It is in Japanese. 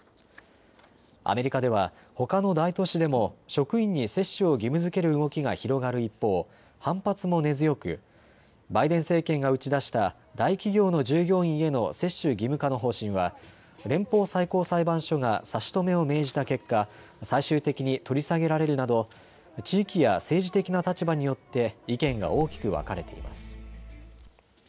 アメリカでは、ほかの大都市でも職員に接種を義務づける動きが広がる一方、反発も根強くバイデン政権が打ち出した大企業の従業員への接種義務化の方針は連邦最高裁判所が差し止めを命じた結果、最終的に取り下げられるなど地域や政治的な立場によって意見が大きく分かれています。